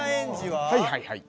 はいはいはい。